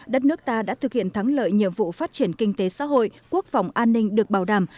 đất nước ta đã thực hiện thắng lợi nhiệm vụ phát triển kinh tế xã hội quốc phòng an ninh được bảo đảm